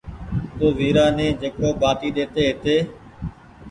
تو ويريآ ني جيڪو ٻآٽي ڏي تي هيتي